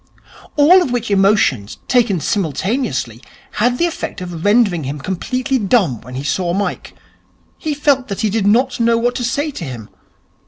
All of which emotions, taken simultaneously, had the effect of rendering him completely dumb when he saw Mike. He felt that he did not know what to say to him.